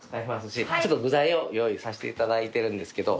具材を用意させていただいてるんですけど。